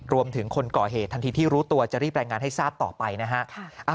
คนก่อเหตุทันทีที่รู้ตัวจะรีบรายงานให้ทราบต่อไปนะฮะ